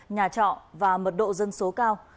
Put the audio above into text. nhà trọ và mật độ dân số cao